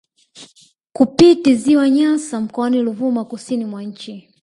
Kupiti ziwa Nyasa mkoani Ruvuma kusini mwa nchi